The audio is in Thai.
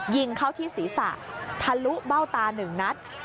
ยิงเข้าที่ศีรษะทะลุเบ้าตา๑นัด